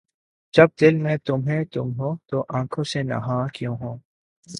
کہ جب دل میں تمھیں تم ہو‘ تو آنکھوں سے نہاں کیوں ہو؟